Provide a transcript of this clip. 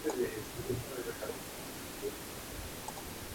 Tras su separación de James Brown, Margaret aprovechó para viajar.